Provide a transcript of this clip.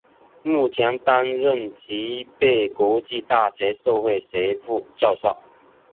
目前担任吉备国际大学社会学部教授。